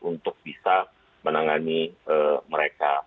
untuk bisa menangani mereka